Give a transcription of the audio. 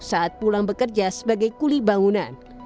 saat pulang bekerja sebagai kuli bangunan